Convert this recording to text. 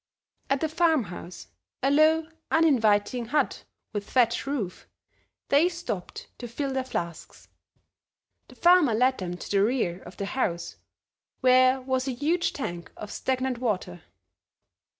At the farm house, a low, uninviting hut with thatch roof, they stopped to fill their flasks. The farmer led them to the rear of the house where was a huge tank of stagnant water.